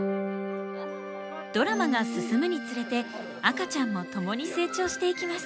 ドラマが進むにつれて赤ちゃんも共に成長していきます。